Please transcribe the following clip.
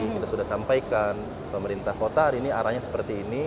kita sudah sampaikan pemerintah kota hari ini arahnya seperti ini